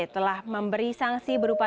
telah memberi sanksi berupa